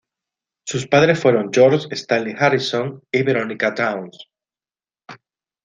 Sus padres fueron George Stanley Harrison y Veronica Downes.